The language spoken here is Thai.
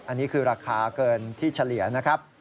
อันนี้คือราคาเกินที่เฉลี่ยนะครับ